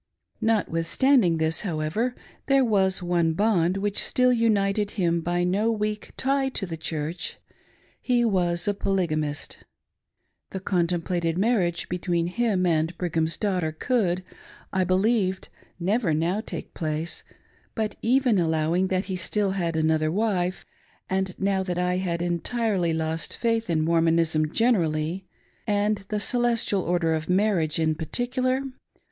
Notwithstanding this, however, there was one bond which still united him by no weak tie to the Church ^he was a Polygamist. The contemplated mar riage between hini and Brigham's daughter could, I believed, never now take place ; but even allowing that, he still had another wife ; and now that I had entirely lost faith in Mormonism generally, and the " Celestial Order of Marriage ".in particular